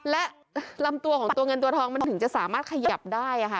และลำตัวของตัวเงินตัวทองมันถึงจะสามารถขยับได้ค่ะ